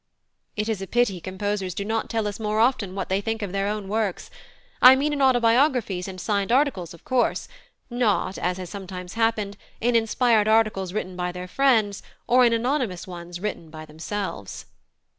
It is a pity composers do not tell us more often what they think of their own works. I mean in autobiographies and signed articles, of course; not, as has sometimes happened, in inspired articles written by their friends, or in anonymous ones written by themselves.